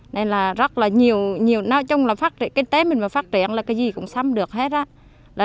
nên là rất là nhiều nếu chung là kinh tế mình mà phát triển là cái gì cũng xăm được hết á